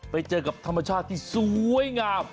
ไปเจอกับธรรมชาติที่สวยงาม